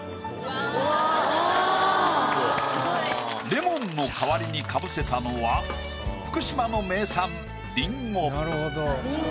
レモンの代わりにかぶせたのは福島の名産りんご。